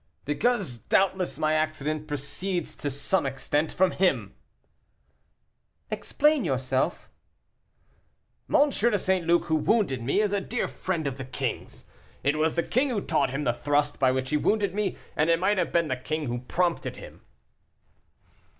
"Because, doubtless, my accident proceeds, to some extent, from him." "Explain yourself." "M. de St. Luc, who wounded me, is a dear friend of the king's. It was the king who taught him the thrust by which he wounded me, and it might have been the king who prompted him."